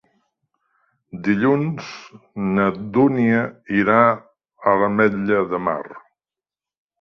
Dilluns na Dúnia irà a l'Ametlla de Mar.